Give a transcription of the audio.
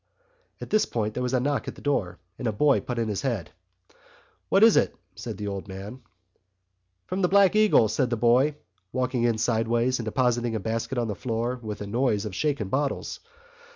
'" At this point there was a knock at the door, and a boy put in his head. "What is it?" said the old man. "From the Black Eagle," said the boy, walking in sideways and depositing a basket on the floor with a noise of shaken bottles.